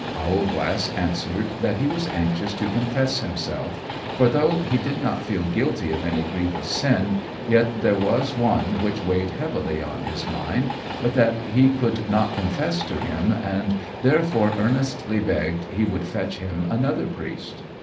Owlglass answered, that he was anxious to confess himself, for though he did not feel guilty of any grievous sin, yet there was one which weighed heavily on his mind, but that he could not confess to him, and therefore earnestly begged he would fetch him another priest.